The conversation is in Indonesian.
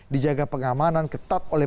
dijaga pengamanan ketat oleh